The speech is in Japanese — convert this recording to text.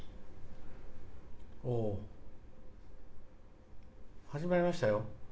おー始まりましたよ。